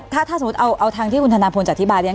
ถ้าสมมุติเอาทางที่คุณธนาภูนย์จะอธิบาย